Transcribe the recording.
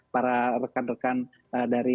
para rekan rekan dari